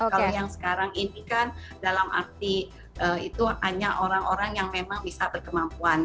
kalau yang sekarang ini kan dalam arti itu hanya orang orang yang memang bisa berkemampuan